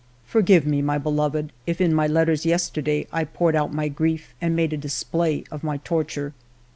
" Forgive me, my beloved, if in my letters yesterday I poured out my grief and made a display of my torture.